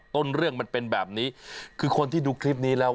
ต้นเรื่องมันเป็นแบบนี้คือคนที่ดูคลิปนี้แล้ว